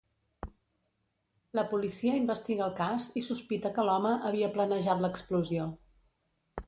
La policia investiga el cas i sospita que l’home havia planejat l’explosió.